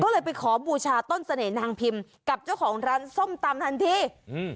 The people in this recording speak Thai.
ก็เลยไปขอบูชาต้นเสน่หนางพิมพ์กับเจ้าของร้านส้มตำทันทีอืม